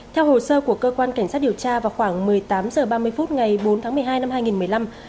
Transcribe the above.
theo hồ sơ của cơ quan cảnh sát điều tra vào khoảng một mươi tám h ba mươi phút ngày bốn tháng một mươi hai năm hai nghìn một mươi năm